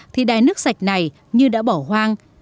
thì đài nước sạch này như đã bỏ hoang